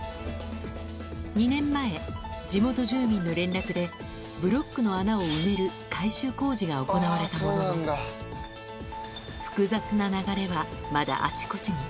２年前、地元住民の連絡で、ブロックの穴を埋める改修工事が行われたものの、複雑な流れは、まだあちこちに。